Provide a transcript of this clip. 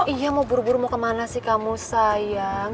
iya mau buru buru mau kemana sih kamu sayang